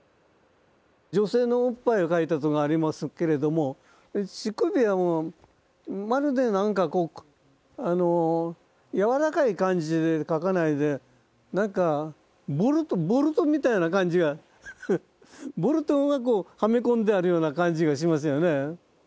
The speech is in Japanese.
女性のおっぱいを描いたとこがありますけれども乳首がもうまるでなんかこう柔らかい感じで描かないでなんかボルトボルトみたいな感じがボルトがはめ込んであるような感じがしますよね。